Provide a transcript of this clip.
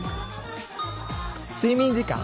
睡眠時間？